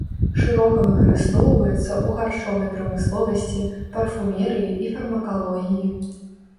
Шырока выкарыстоўваецца ў харчовай прамысловасці, парфумерыі і фармакалогіі.